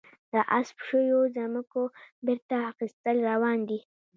د غصب شویو ځمکو بیرته اخیستل روان دي؟